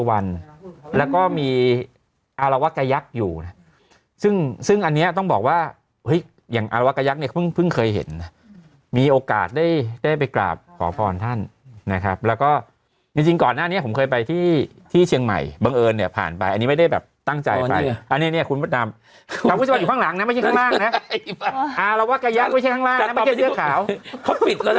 อารวักยักษ์อยู่ซึ่งซึ่งอันเนี้ยต้องบอกว่าเฮ้ยอย่างอารวักยักษ์เนี้ยเพิ่งเพิ่งเคยเห็นมีโอกาสได้ได้ไปกราบขอบพรท่านนะครับแล้วก็จริงจริงก่อนหน้านี้ผมเคยไปที่ที่เชียงใหม่บังเอิญเนี้ยผ่านไปอันนี้ไม่ได้แบบตั้งใจไปอันนี้เนี้ยคุณพระดามคุณจะอยู่ข้างหลังนะไม่ใช่ข้างล่างนะอารวักยักษ์ไม่ใช่ข้างล